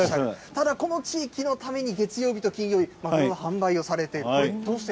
ただ、この地域のために月曜日と金曜日、販売をされていると。